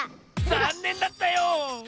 ざんねんだったよ！